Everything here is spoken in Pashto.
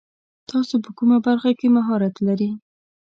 تاسو په کومه برخه کې مهارت لري ؟